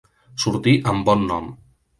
Sortir amb bon nom.